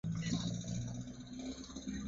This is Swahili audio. Jua lilimchoma sana akazimia